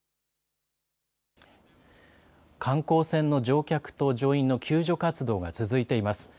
観光船の乗客と乗員の救助活動が続いています。